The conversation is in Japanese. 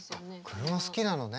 車好きなのね。